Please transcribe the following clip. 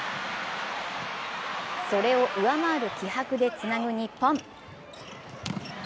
それを上回る気迫でつなぐ日本。